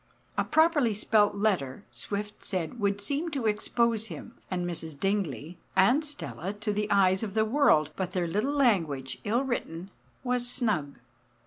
A properly spelt letter, Swift said, would seem to expose him and Mrs Dingley and Stella to the eyes of the world; but their little language, ill written, was "snug."